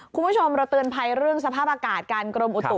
คุณผู้ชมเราเตือนภัยเรื่องสภาพอากาศกันกรมอุตุ